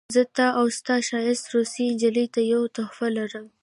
زه تا او ستا ښایسته روسۍ نجلۍ ته یوه تحفه لرم